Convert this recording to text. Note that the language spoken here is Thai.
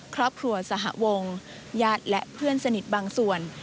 ครอบครัวสหวงญาติและเพื่อนสนิทบางส่วน